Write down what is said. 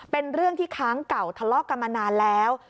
เป็นเรื่องที่ค้างเก่าทะเลาะกันมานานแล้ว